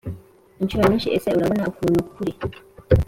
incuro nyinshi ese urabona ukuntu kuri